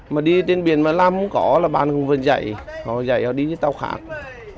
mà đi trên biển mà làm không có là bạn cũng vẫn dạy họ dạy họ đi với tàu khác